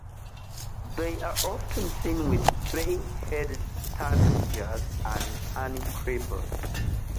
They are often seen with bay-headed tanagers and honeycreepers.